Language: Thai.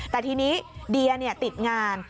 แต่ทีนี้เดียติดงาน